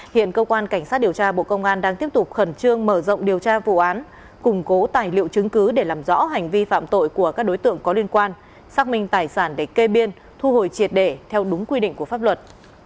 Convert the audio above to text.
hiện cơ quan cảnh sát điều tra bộ công an đang tiếp tục khẩn trương mở rộng điều tra vụ án củng cố tài liệu chứng cứ để làm rõ hành vi phạm tội của các đối tượng có liên quan xác minh tài sản để kê biên thu hồi triệt để theo đúng quy định của pháp luật